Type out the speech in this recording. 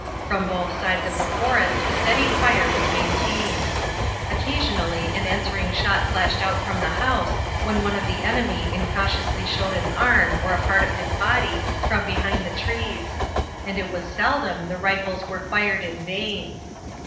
From both sides of the forest a steady fire was maintained. Occasionally an answering shot flashed out from the house when one of the enemy incautiously showed an arm or a part of his body from behind the trees, and it was seldom the rifles were fired in vain.